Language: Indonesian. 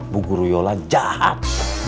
bu guruyola jahat